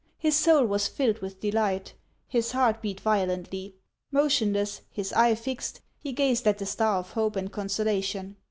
His soul was filled with delight ; his heart beat violently. Motionless, his eye fixed, he gazed at the star of hope and consolation.